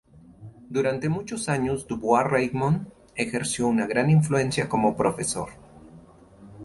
Durante hace muchos años, du Bois-Reymond ejerció una gran influencia como profesor.